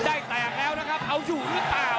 ได้แตกแล้วนะครับเอาอยู่หรือเปล่า